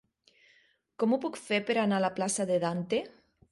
Com ho puc fer per anar a la plaça de Dante?